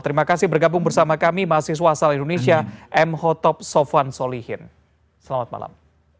terima kasih bergabung bersama kami mahasiswa asal indonesia m hotob sofan solihin selamat malam